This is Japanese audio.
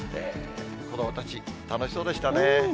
子どもたち、楽しそうでしたね。